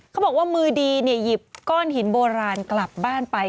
เขาบอกว่ามือดีหยิบก้อนหินโบราณกลับบ้านไป